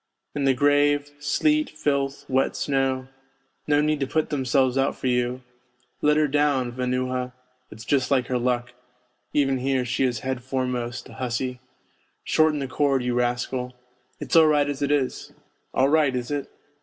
In the grave sleet, filth, wet snow no need to put themselves out for you ' Let her down, Vanuha ; it's just like her luck even here, she is head foremost, the hussy. Shorten the cord, you rascal.' ' It's all right as it is.' ' All right, is it